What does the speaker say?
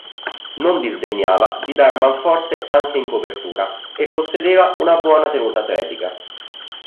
Non disdegnava di dar manforte anche in copertura e possedeva una buona tenuta atletica.